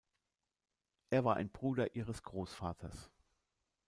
Er war ein Bruder ihres Großvaters.